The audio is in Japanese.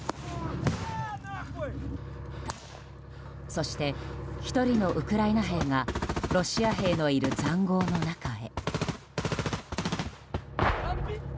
そして、１人のウクライナ兵がロシア兵のいる塹壕の中へ。